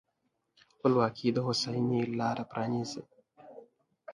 خپلواکي د هوساینې لاره پرانیزي.